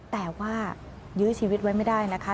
แต่ว่ายื้อชีวิตไว้ไม่ได้นะคะ